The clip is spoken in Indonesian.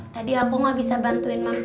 tadi aku gak bisa bantuin mama